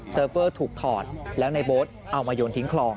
เซิร์ฟเฟอร์ถูกถอดแล้วนายโบ๊ทเอามาโยนทิ้งคลอง